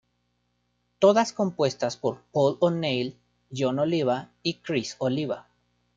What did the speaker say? Todas compuestas por Paul O'Neill, Jon Oliva y Criss Oliva.